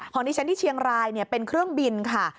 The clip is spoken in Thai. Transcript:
ที่ฉันที่เชียงรายเป็นเครื่องบินค่ะ